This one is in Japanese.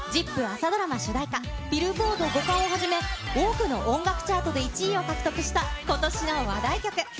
朝ドラマ主題歌、ビルボード５冠をはじめ、多くの音楽チャートで１位を獲得した、ことしの話題曲。